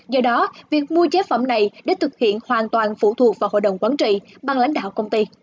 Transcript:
do đó việc mua chế phẩm này để thực hiện hoàn toàn phụ thuộc vào hội đồng quán trị bằng lãnh đạo công ty